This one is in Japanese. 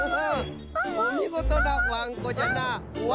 おみごとなワンコじゃなあ。